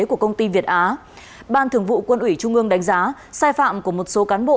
của công ty việt á ban thường vụ quân ủy trung ương đánh giá sai phạm của một số cán bộ